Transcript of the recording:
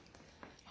あ。